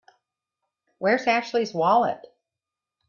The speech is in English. Where's Ashley's wallet?